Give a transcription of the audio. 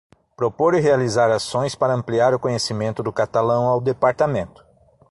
Propor e realizar ações para ampliar o conhecimento do catalão ao Departamento.